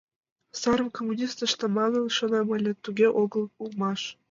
Сарым коммунист ышта манын шонем ыле, туге огыл улмаш.